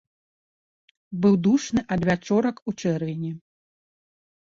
Быў душны адвячорак у чэрвені.